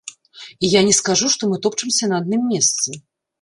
І я не скажу, што мы топчамся на адным месцы.